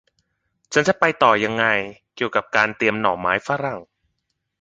ฉันจะไปต่อยังไงเกี่ยวกับการเตรียมหน่อไม้ฝรั่ง